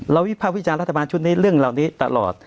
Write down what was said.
วิภาควิจารณรัฐบาลชุดนี้เรื่องเหล่านี้ตลอด